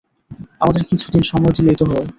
আমাদের কিছুদিন সময় দিলেই তো হয়।